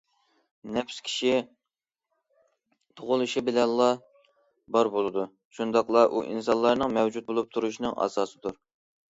نەپس كىشى تۇغۇلۇشى بىلەنلا بار بولىدۇ، شۇنداقلا ئۇ ئىنسانلارنىڭ مەۋجۇت بولۇپ تۇرۇشىنىڭ ئاساسىدۇر.